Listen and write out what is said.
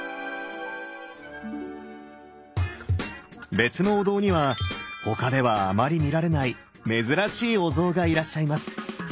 別のお堂には他ではあまり見られない珍しいお像がいらっしゃいます！